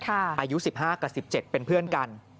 อายุ๑๕กับ๑๗เป็นเพื่อนกัน